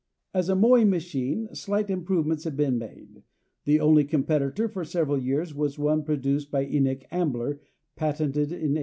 As a mowing machine slight improvements have been made; the only competitor for several years was one produced by Enoch Ambler, patented in 1834.